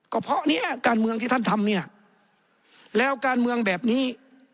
ก็เพราะเนี่ยการเมืองที่ท่านทำเนี่ยแล้วการเมืองแบบนี้